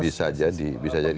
bisa jadi bisa jadi